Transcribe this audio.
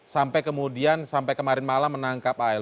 sampai kemudian sampai kemarin malam menangkap al